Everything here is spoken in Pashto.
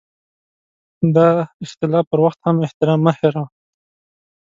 د اختلاف پر وخت هم احترام مه هېروه.